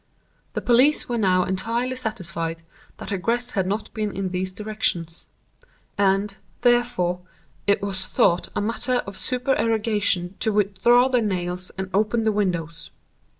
The police were now entirely satisfied that egress had not been in these directions. And, therefore, it was thought a matter of supererogation to withdraw the nails and open the windows.